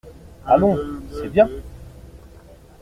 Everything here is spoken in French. Allons, c’est bien !